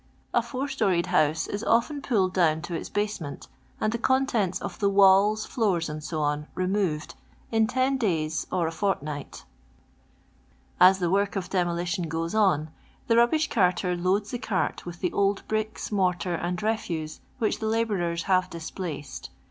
A f »ur storied house is often pulled down to its basement, and the contents of the I walls, floors, & c, removed, in ten days or a fortnight As the work of demolition goes on, the rubbish I carter loads the cart with the old bricks, mortar, I and refase which the labourers have dispUiced.